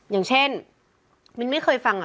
อย่างเช่นมิ้นไม่เคยฟังอ่ะ